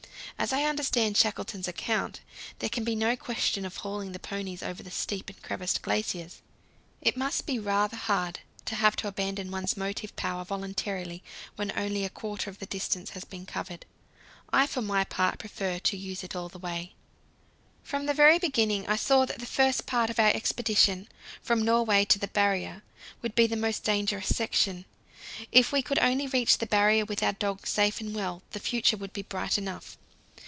As I understand Shackleton's account, there can be no question of hauling the ponies over the steep and crevassed glaciers. It must be rather hard to have to abandon one's motive power voluntarily when only a quarter of the distance has been covered. I for my part prefer to use it all the way. From the very beginning I saw that the first part of our expedition, from Norway to the Barrier, would be the most dangerous section. If we could only reach the Barrier with our dogs safe and well, the future would be bright enough.